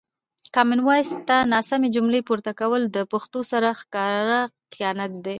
کامن وایس ته ناسمې جملې پورته کول له پښتو سره ښکاره خیانت دی.